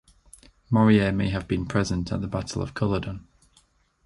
Morier may have been present at the Battle of Culloden.